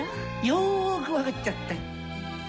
よく分かっちゃった。